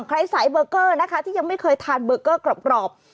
ใครสายเบอร์เกอร์นะคะที่ยังไม่เคยทานเบอร์เกอร์กรอบ